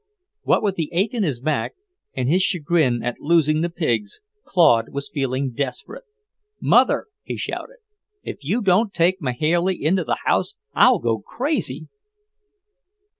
What with the ache in his back and his chagrin at losing the pigs, Claude was feeling desperate. "Mother," he shouted, "if you don't take Mahailey into the house, I'll go crazy!"